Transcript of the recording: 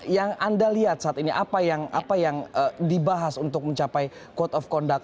yang anda lihat saat ini apa yang dibahas untuk mencapai code of conduct